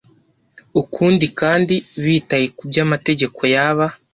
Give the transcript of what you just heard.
ukundi kandi bitaye ku by’ amategeko yaba